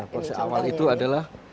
porsche awal itu adalah